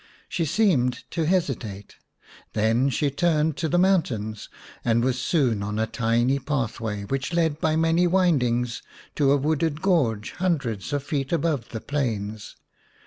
She seemed to hesitate ; then she turned to the mountains, and was soon on a tiny pathway, which led by many windings to a wooded gorge hundreds of feet above the plains.